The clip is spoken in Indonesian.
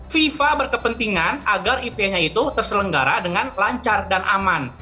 fifa berkepentingan agar eventnya itu terselenggara dengan lancar dan aman